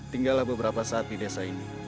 tinggallah beberapa saat di desa ini